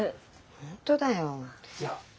本当だよ。